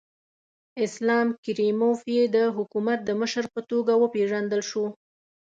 اسلام کریموف یې د حکومت د مشر په توګه وپېژندل شو.